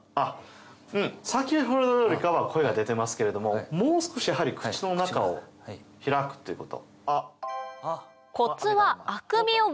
うん先ほどよりかは声が出てますけれどももう少しやはり口の中を開くっていうこと。